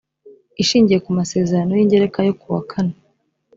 ishingiye ku masezerano y ingereka yo ku wa kane